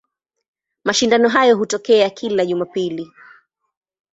Mashindano hayo hutokea kila Jumapili.